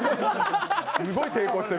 すごい抵抗してる。